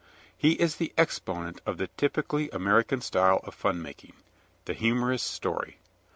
He is the exponent of the typically American style of fun making, the humorous story.